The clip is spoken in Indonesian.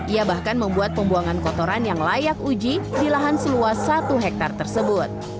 ia bahkan membuat pembuangan kotoran yang layak uji di lahan seluas satu hektare tersebut